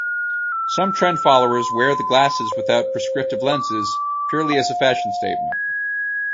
Some trend followers wear the glasses without prescriptive lenses, purely as a fashion statement.